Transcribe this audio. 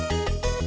saya sudah selesai